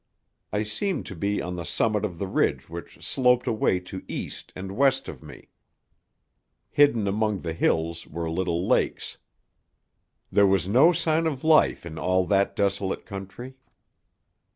I seemed to be on the summit of the ridge which sloped away to east and west of me. Hidden among the hills were little lakes. There was no sign of life in all that desolate country.